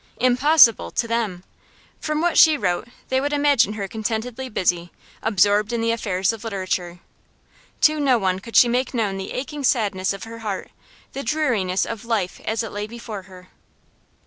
Impossible, to them. From what she wrote they would imagine her contentedly busy, absorbed in the affairs of literature. To no one could she make known the aching sadness of her heart, the dreariness of life as it lay before her.